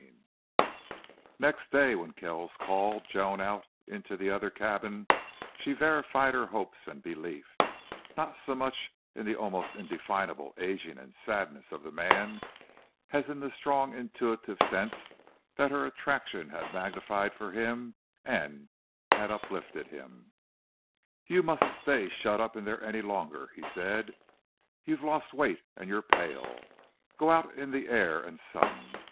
10 Next day, when Kells called Joan out into the other cabin, she verified her hope and belief, not so much in the almost indefinable aging and sadness of the man, as in the strong intuitive sense that her attraction had magnified for him and had uplifted him. "You mustn't stay shut up in there any longer," he said. "You've lost weight and you're pale. Go out in the air and sun.